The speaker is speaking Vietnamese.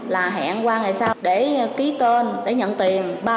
là hẹn qua ngày sau để ký tên để nhận tiền